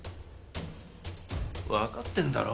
わかってんだろ？